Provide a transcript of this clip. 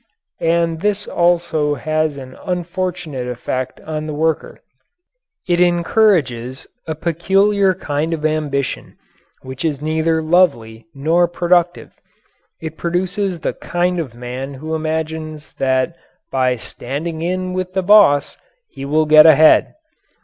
And this also has an unfortunate effect on the worker. It encourages a peculiar kind of ambition which is neither lovely nor productive. It produces the kind of man who imagines that by "standing in with the boss" he will get ahead.